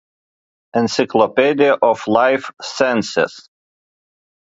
Encyclopedia of life sciences.